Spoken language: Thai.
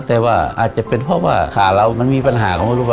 แต่ว่าอาจจะเป็นเพราะว่าขาเรามันมีปัญหาของลูกเรา